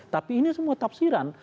tapi ini semua tafsiran